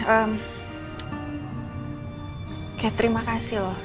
oke terima kasih loh